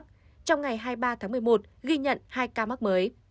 trong ngày hai mươi ba tháng một mươi một ghi nhận hai ca mắc mới